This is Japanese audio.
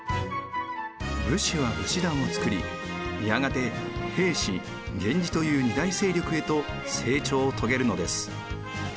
武士は武士団を作りやがて平氏源氏という２大勢力へと成長を遂げるのです。